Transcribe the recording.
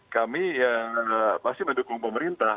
kami ya pasti mendukung pemerintah